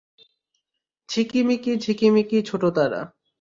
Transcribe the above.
ঝিকিমিকি ঝিকিমিকি ছোট তারা।